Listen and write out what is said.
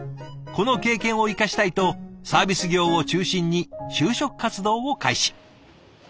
この経験を生かしたいとサービス業を中心に就職活動を開始。